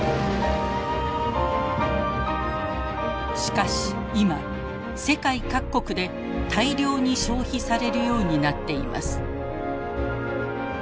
しかし今世界各国で大量に消費されるようになっています。